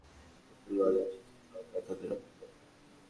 মুসলমান, রাজপুত, সরদার তাদের রক্ত গরম থাকে।